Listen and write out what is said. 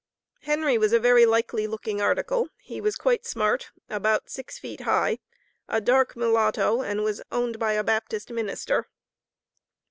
Henry was a very likely looking article. He was quite smart, about six feet high, a dark mulatto, and was owned by a Baptist minister.